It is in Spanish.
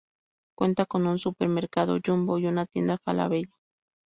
Cuenta con un supermercado Jumbo y una tienda Falabella.